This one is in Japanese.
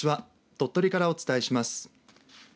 鳥取からお伝えします。